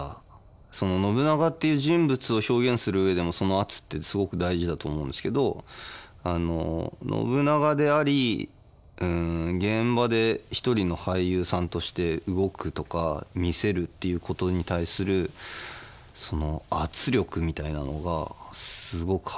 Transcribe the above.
その信長っていう人物を表現する上でもその圧ってすごく大事だと思うんですけど信長であり現場で一人の俳優さんとして動くとか見せるっていうことに対する圧力みたいなのがすごく迫力があって。